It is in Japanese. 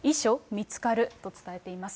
見つかると伝えています。